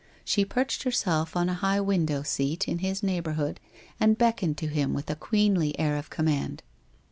She perched herself on a high window seat in his neighbourhood, and beckoned to him with a queenly air of command.